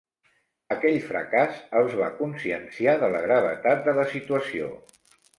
Aquell fracàs els va conscienciar de la gravetat de la situació.